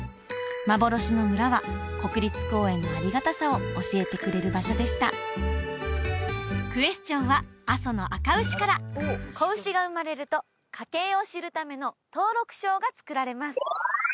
幻の村は国立公園のありがたさを教えてくれる場所でしたクエスチョンは阿蘇のあか牛から子牛が生まれると家系を知るための登録書が作られます